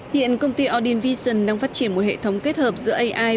hiện công ty audin vision đang phát triển một hệ thống kết hợp giữa ai